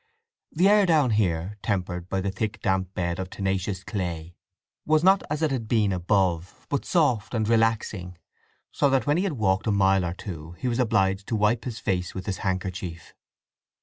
The air down here, tempered by the thick damp bed of tenacious clay, was not as it had been above, but soft and relaxing, so that when he had walked a mile or two he was obliged to wipe his face with his handkerchief.